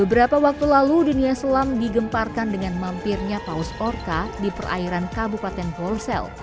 beberapa waktu lalu dunia selam digemparkan dengan mampirnya paus orka di perairan kabupaten golsel